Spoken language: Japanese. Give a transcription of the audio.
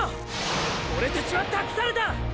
オレたちは託された！！